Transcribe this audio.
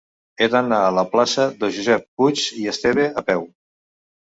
He d'anar a la plaça de Josep Puig i Esteve a peu.